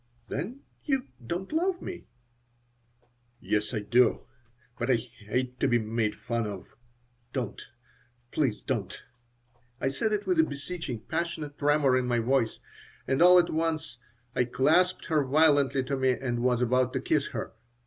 "Then you don't love me." "Yes, I do. But I hate to be made fun of. Don't! Please don't!" I said it with a beseeching, passionate tremor in my voice, and all at once I clasped her violently to me and was about to kiss her.